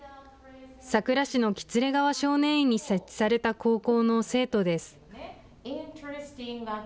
さくら市の喜連川少年院に設置された高校の生徒です。